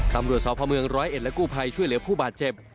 ตำรวจสาวพระเมือง๑๐๑และกู้ภัยช่วยเหลือผู้บาดเจ็บ